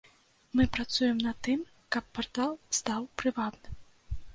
Мы працуем над тым, каб партал стаў прывабным.